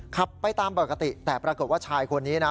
ขับไปตามปกติแต่ปรากฏว่าชายคนนี้นะ